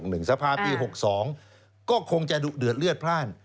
สภาปี๖๒ก็คงจะดุเดือดเลือดพลาด